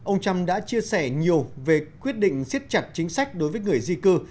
ông trump đã chia sẻ nhiều về quyết định siết chặt chính sách đối với người di cư